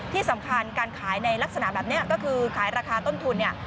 ที่สำคัญการขายในลักษณะแบบนี้ก็คือขายราคาต้นทุนเนี่ย